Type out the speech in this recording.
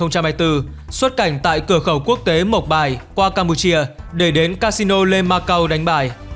cửa khẩu quốc tế mộc bài qua campuchia để đến casino le macau đánh bài